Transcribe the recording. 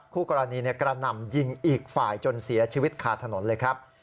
คู่กรณีกระหน่ำยิงอีกฝ่ายจนเสียชีวิตคาถนนเลยครับ